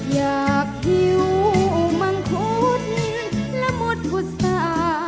อยากหิวมังพุชิ์และหมวดบูษา